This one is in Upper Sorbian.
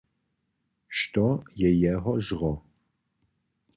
Što je jeho žro?